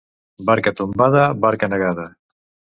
Barca tombada, barca negada.